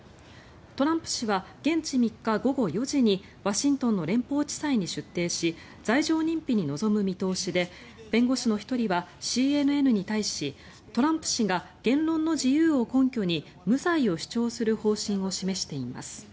トランプ氏は現地３日午後４時にワシントンの連邦地裁に出廷し罪状認否に臨む見通しで弁護士の１人はＣＮＮに対しトランプ氏が言論の自由を根拠に無罪を主張する方針を示しています。